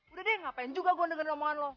udah deh ngapain juga gue dengerin omongan lo